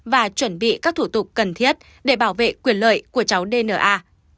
và chuẩn bị các thủ tục cần thiết để bảo vệ quyền lợi của cháu dna